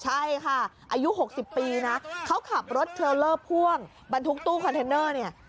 ใช่ค่ะอายุ๖๐ปีนะเขาขับรถเทรลเลอร์พ่วงบรรทุกตู้คอนเทนเนอร์เนี่ย